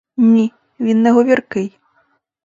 Ні, він не говіркий.